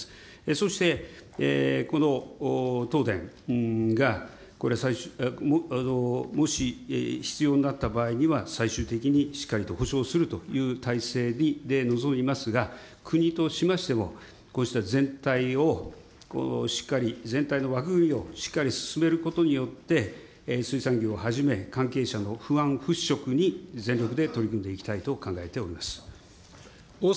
そしてこの東電がもし必要になった場合には、最終的にしっかりと補償するという体制で臨みますが、国としましても、こうした全体をしっかり、全体の枠組みをしっかり進めることによって、水産業をはじめ、関係者の不安払拭に全力で取り組んでいきたいと考えております。